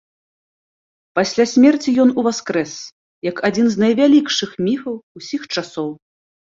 Пасля смерці ён уваскрэс як адзін з найвялікшых міфаў усіх часоў.